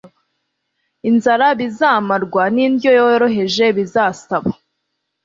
inzara bizamarwa nindyo yoroheje Bizasaba